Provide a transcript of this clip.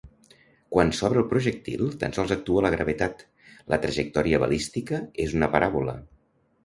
Quan sobre el projectil tan sols actua la gravetat, la trajectòria balística és una paràbola.